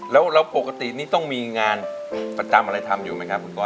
แล้วปกตินี่ต้องมีงานประจำอะไรทำอยู่ไหมคะพี่ก้อยตอนนี้